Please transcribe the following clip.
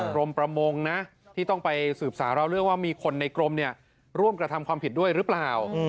ประมงนะที่ต้องไปสืบสาวเราเรื่องว่ามีคนในกรมร่วมกระทำความผิดด้วยหรือเปล่า